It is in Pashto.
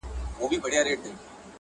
• په یوه غوجل کي دواړه اوسېدله -